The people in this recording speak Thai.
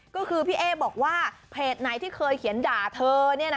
ก็คือพี่เอ๊บอกว่าเพจไหนที่เคยเขียนด่าเธอ